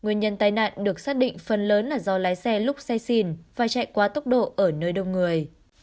nguyên nhân tai nạn được xác định phần lớn là do lái xe lúc xe xìn và chạy quá tốc độ ở nơi đông người